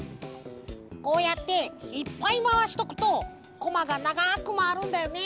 こうやっていっぱいまわしとくとこまがながくまわるんだよね。